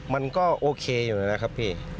มันก็โอเคอยู่นะครับพี่